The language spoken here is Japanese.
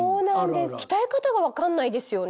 鍛え方が分かんないですよね。